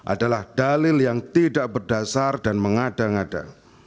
adalah dalil yang tidak berdasar dan mengada ngada